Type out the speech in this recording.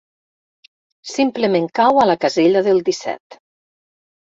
Simplement cau a la casella del disset.